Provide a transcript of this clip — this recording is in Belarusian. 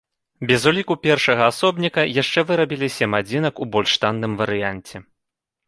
Без уліку першага асобніка, яшчэ вырабілі сем адзінак у больш танным варыянце.